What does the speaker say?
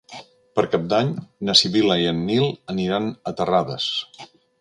Per Cap d'Any na Sibil·la i en Nil aniran a Terrades.